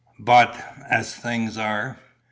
But, as things are ..."